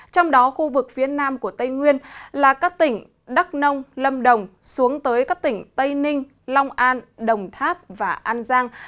trong đó khu vực phía nam của tây nguyên là các tỉnh đắk nông lâm đồng xuống tới các tỉnh tây ninh long an đồng tháp và an giang